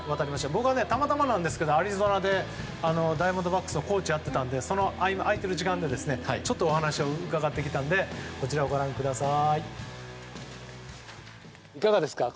僕はたまたまなんですけどアリゾナでダイヤモンドバックスのコーチをやってたのでその空いてる時間でちょっとお話を伺ってきたのでこちらをご覧ください。